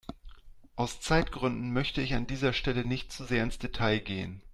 Aus Zeitgründen möchte ich an dieser Stelle nicht zu sehr ins Detail gehen.